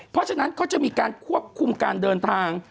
เพราะฉะนั้นเขาจะมีการควบคุมการเดินทาง